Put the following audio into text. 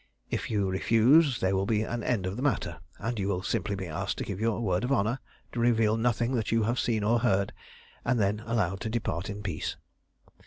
If you refuse there will be an end of the matter, and you will simply be asked to give your word of honour to reveal nothing that you have seen or heard, and then allowed to depart in peace.